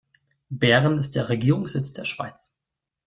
Bern ist der Regierungssitz der Schweiz.